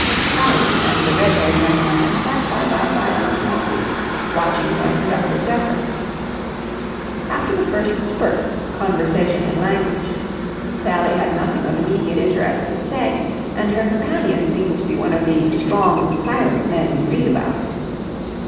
Sally and the red haired young man sat side by side on the small seat, watching their conductor's efforts. After the first spurt, conversation had languished. Sally had nothing of immediate interest to say, and her companion seemed to be one of these strong, silent men you read about.